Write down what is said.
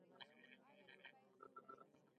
آیا خوراکي توکي به ارزانه شي؟